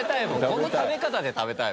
この食べ方で食べたい。